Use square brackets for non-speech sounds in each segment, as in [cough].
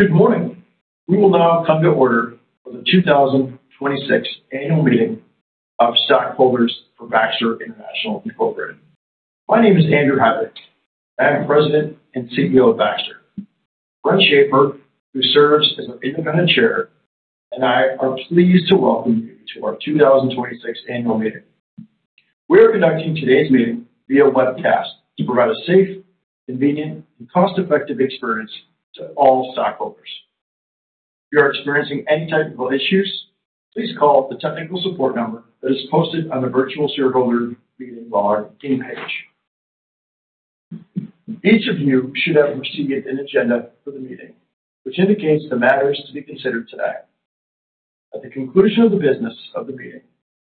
Good morning. We will now come to order for the 2026 annual meeting of stockholders for Baxter International Inc. My name is Andrew Hider. I am President and CEO of Baxter. Brent Shafer, who serves as an Independent Chair, and I are pleased to welcome you to our 2026 annual meeting. We are conducting today's meeting via webcast to provide a safe, convenient, and cost-effective experience to all stockholders. If you are experiencing any technical issues, please call the technical support number that is posted on the virtual shareholder meeting lobby page. Each of you should have received an agenda for the meeting, which indicates the matters to be considered today. At the conclusion of the business of the meeting,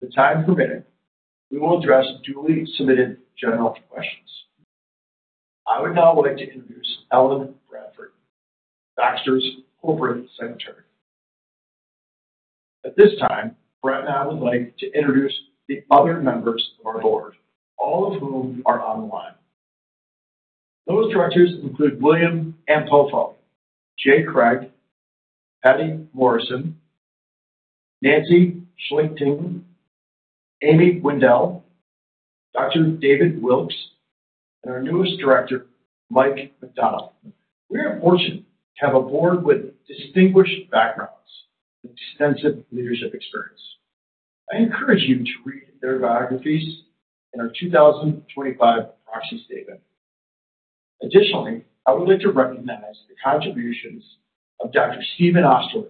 the time permitting, we will address duly submitted general questions. I would now like to introduce Ellen Bradford, Baxter's Corporate Secretary. At this time, Brent Shafer and I would like to introduce the other members of our Board, all of whom are online. Those Directors include William Ampofo, Jay Craig, Patty Morrison, Nancy Schlichting, Amy Wendell, Dr. David Wilkes, and our newest director, Mike McDonnell. We are fortunate to have a Board with distinguished backgrounds and extensive leadership experience. I encourage you to read their biographies in our 2025 proxy statement. I would like to recognize the contributions of Dr. Stephen Oesterle,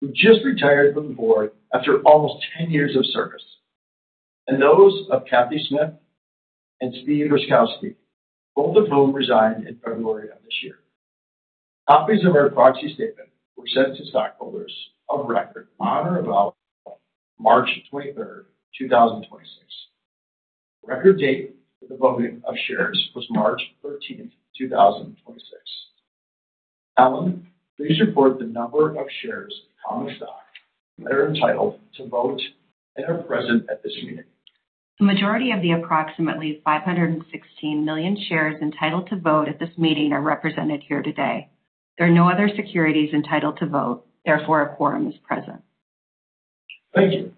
who just retired from the board after almost 10 years of service, and those of Cathy Smith and Stephen Rusckowski, both of whom resigned in February of this year. Copies of our proxy statement were sent to stockholders of record on or about March 23, 2026. The record date for the voting of shares was March 13, 2026. Ellen, please report the number of shares of common stock that are entitled to vote and are present at this meeting. The majority of the approximately 516 million shares entitled to vote at this meeting are represented here today. There are no other securities entitled to vote. Therefore, a quorum is present. Thank you.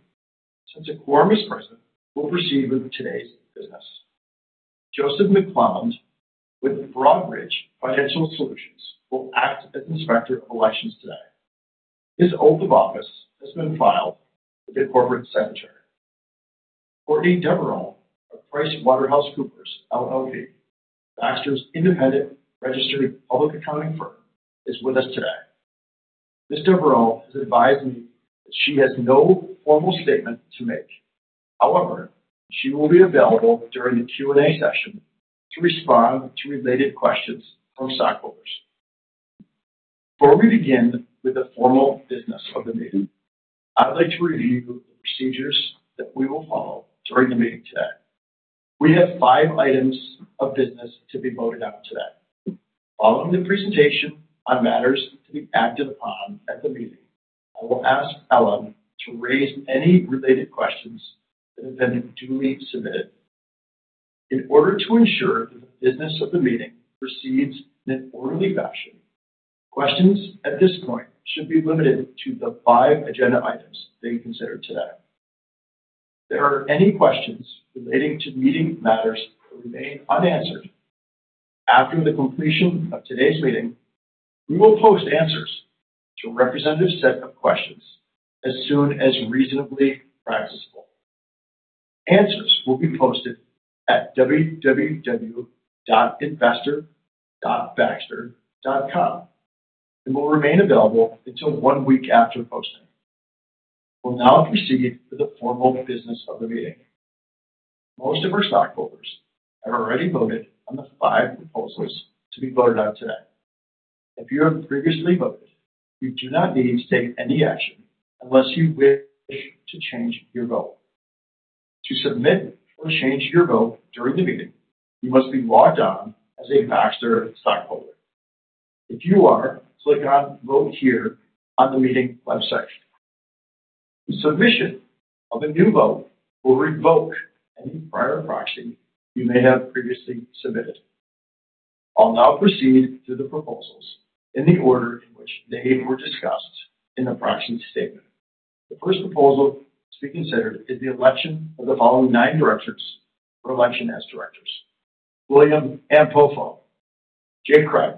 Since a quorum is present, we'll proceed with today's business. [Joseph McClelland] with Broadridge Financial Solutions will act as Inspector of Elections today. His oath of office has been filed with the Corporate Secretary. [Courtney Devereux] of PricewaterhouseCoopers, LLP, Baxter's independent registered public accounting firm, is with us today. [Ms. Devereux] has advised me that she has no formal statement to make. However, she will be available during the Q&A session to respond to related questions from stockholders. Before we begin with the formal business of the meeting, I would like to review the procedures that we will follow during the meeting today. We have five items of business to be voted on today. Following the presentation on matters to be acted upon at the meeting, I will ask Ellen to raise any related questions that have been duly submitted. In order to ensure that the business of the meeting proceeds in an orderly fashion, questions at this point should be limited to the five agenda items being considered today. If there are any questions relating to meeting matters that remain unanswered after the completion of today's meeting, we will post answers to a representative set of questions as soon as reasonably practicable. Answers will be posted at www.investor.baxter.com and will remain available until one week after posting. We'll now proceed with the formal business of the meeting. Most of our stockholders have already voted on the five proposals to be voted on today. If you have previously voted, you do not need to take any action unless you wish to change your vote. To submit or change your vote during the meeting, you must be logged on as a Baxter stockholder. If you are, click on Vote Here on the meeting website. Submission of a new vote will revoke any prior proxy you may have previously submitted. I'll now proceed to the proposals in the order in which they were discussed in the proxy statement. The first proposal to be considered is the election of the all nine [audio distortion] as Directors. William Ampofo, Jay Craig,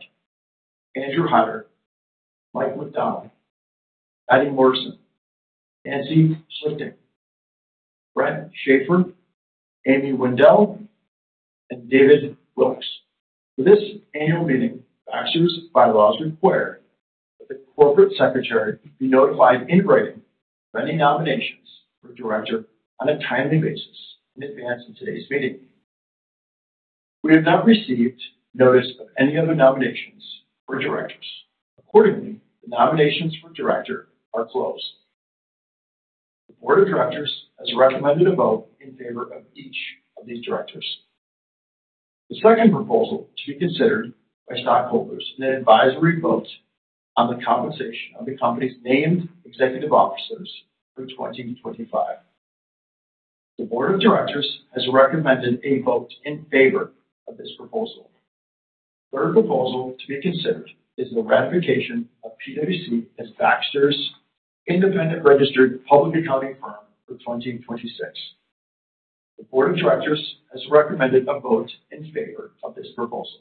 Andrew Hider, Mike McDonnell, Patty Morrison, Nancy Schlichting, Brent Shafer, Amy Wendell, and David Wilkes. For this annual meeting, Baxter's bylaws require that the Corporate Secretary be notified in writing of any nominations for Director on a timely basis in advance of today's meeting. We have not received notice of any other nominations for Directors. Accordingly, the nominations for Director are closed. The Board of Directors has recommended a vote in favor of each of these Directors. The second proposal to be considered by stockholders is an advisory vote on the compensation of the company's named Executive Officers for 2025. The Board of Directors has recommended a vote in favor of this proposal. Third proposal to be considered is the ratification of PwC as Baxter's independent registered public accounting firm for 2026. The Board of Directors has recommended a vote in favor of this proposal.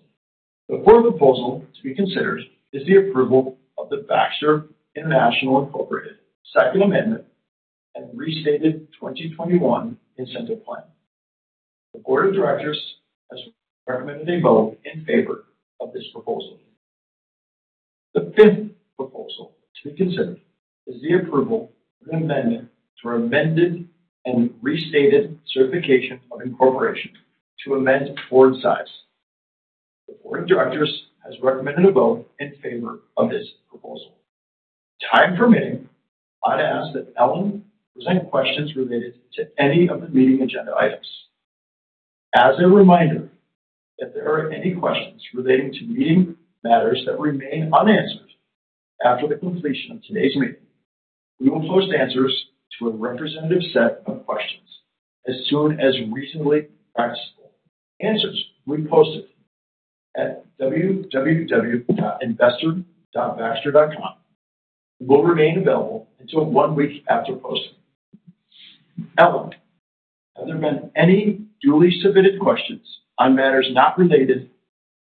The fourth proposal to be considered is the approval of the Baxter International Inc Second Amendment and Restated 2021 Incentive Plan. The Board of Directors has recommended a vote in favor of this proposal. The fifth proposal to be considered is the approval of an amendment to Amended and Restated Certificate of incorporation to amend Board size. The Board of Directors has recommended a vote in favor of this proposal. Time permitting, I'd ask that Ellen present questions related to any of the meeting agenda items. As a reminder, if there are any questions relating to meeting matters that remain unanswered after the completion of today's meeting, we will post answers to a representative set of questions as soon as reasonably practicable. Answers will be posted at www.investor.baxter.com and will remain available until one week after posting. Ellen, have there been any duly submitted questions on matters not related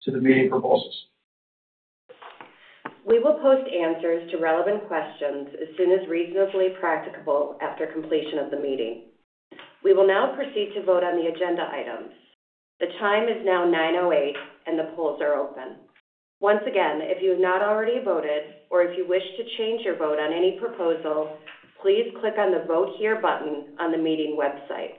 to the meeting proposals? We will post answers to relevant questions as soon as reasonably practicable after completion of the meeting. We will now proceed to vote on the agenda items. The time is now 9:08, and the polls are open. Once again, if you have not already voted or if you wish to change your vote on any proposal, please click on the Vote Here button on the meeting website.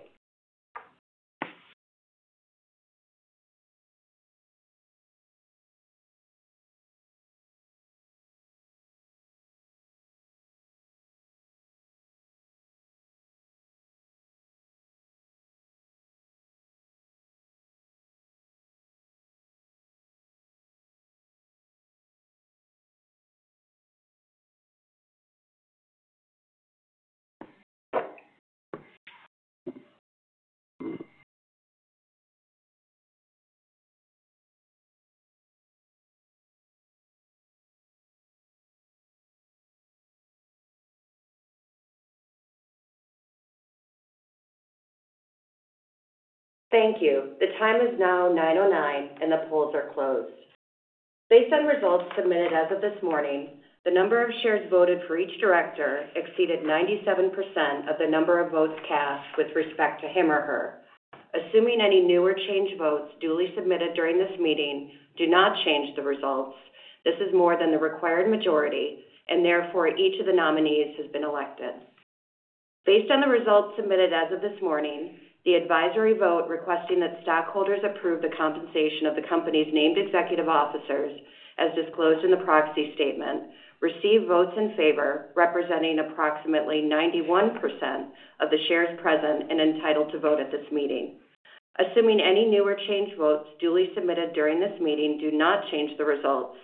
Thank you. The time is now 9:09, and the polls are closed. Based on results submitted as of this morning, the number of shares voted for each Director exceeded 97% of the number of votes cast with respect to him or her. Assuming any new or changed votes duly submitted during this meeting do not change the results, this is more than the required majority, and therefore each of the nominees has been elected. Based on the results submitted as of this morning, the advisory vote requesting that stockholders approve the compensation of the company's named Executive Officers, as disclosed in the proxy statement, received votes in favor representing approximately 91% of the shares present and entitled to vote at this meeting. Assuming any new or changed votes duly submitted during this meeting do not change the results,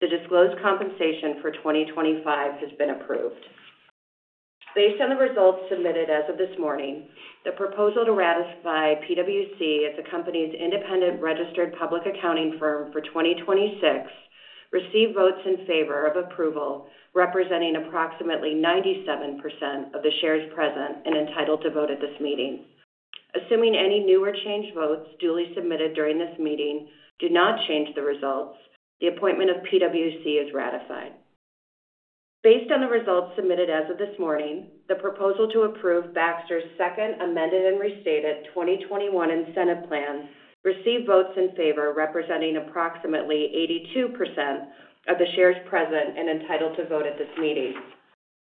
the disclosed compensation for 2025 has been approved. Based on the results submitted as of this morning, the proposal to ratify PwC as the company's independent registered public accounting firm for 2026 received votes in favor of approval representing approximately 97% of the shares present and entitled to vote at this meeting. Assuming any new or changed votes duly submitted during this meeting do not change the results, the appointment of PwC is ratified. Based on the results submitted as of this morning, the proposal to approve Baxter's Second Amended and Restated 2021 Incentive Plan received votes in favor representing approximately 82% of the shares present and entitled to vote at this meeting.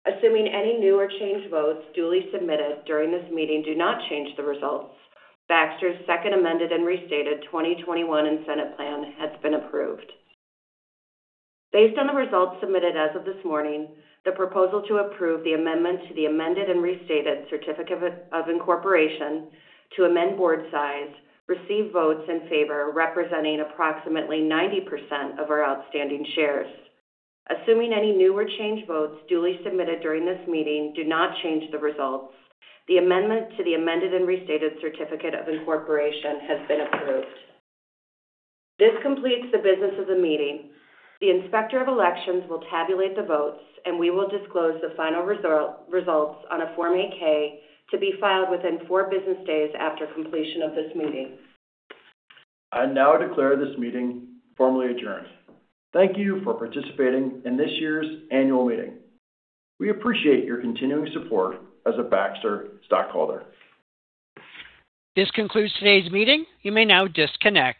Assuming any new or changed votes duly submitted during this meeting do not change the results, Baxter's Second Amended and Restated 2021 Incentive Plan has been approved. Based on the results submitted as of this morning, the proposal to approve the amendment to the Amended and Restated Certificate of Incorporation to amend Board size received votes in favor representing approximately 90% of our outstanding shares. Assuming any new or changed votes duly submitted during this meeting do not change the results, the amendment to the Amended and Restated Certificate of Incorporation has been approved. This completes the business of the meeting. The Inspector of Elections will tabulate the votes, we will disclose the final results on a form 8-K to be filed within four business days after completion of this meeting. I now declare this meeting formally adjourned. Thank you for participating in this year's annual meeting. We appreciate your continuing support as a Baxter stockholder. This concludes today's meeting. You may now disconnect.